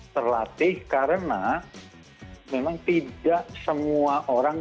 terlatih karena memang tidak semua orang